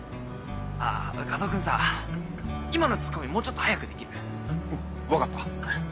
あぁ和男君さ今のツッコミもうちょっと早くできる？分かった。